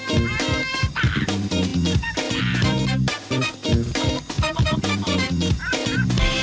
จริงโอ้ปวดแบบนี้